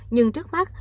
nhưng trước mắt